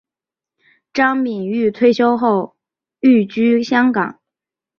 张敏钰退休后寓居香港。